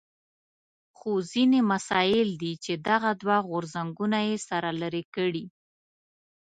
خو ځینې مسایل دي چې دغه دوه غورځنګونه یې سره لرې کړي.